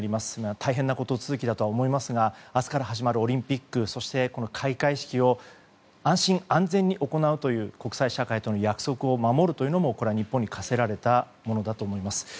大変なこと続きだとは思いますが明日から始まるオリンピックそして開会式を安心・安全に行うという国際社会との約束を守るというのも日本に課せられたものだと思います。